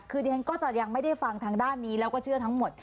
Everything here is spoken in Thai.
คือดิฉันก็จะยังไม่ได้ฟังทางด้านนี้แล้วก็เชื่อทั้งหมด